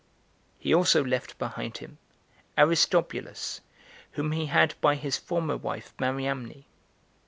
[He also left behind him] Aristobulus, whom he had by his former wife Mariamne.